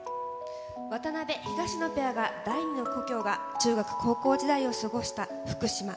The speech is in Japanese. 渡辺・東野ペアの第２の故郷が、中学、高校時代を過ごした福島。